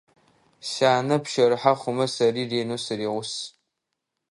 Сянэ пщэрыхьэ хъумэ, сэри ренэу сыригъус.